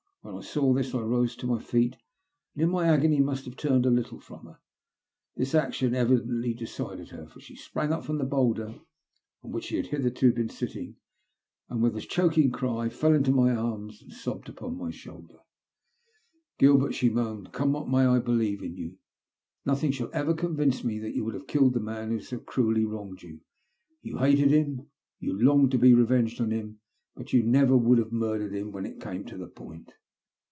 When I saw this I rose to my feet, and in my agony must have turned a little from her. This action evidently decided her, for she sprang up from the boulder on which she had hitherto been sitting, and, with a choking cry, fell into my arms and sobbed upon my shoulder. I TELL MY STORY. 247 " Gilbert," she moaned, " come what may, I believe in you. Nothing shall ever convince me that you would have killed the man who so cruelly wronged you. You hated him; you longed to be revenged on him; but you never would have murdered him when it came to the i)oint."